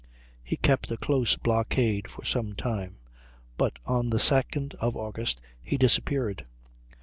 He kept a close blockade for some time; but on the 2d of August he disappeared.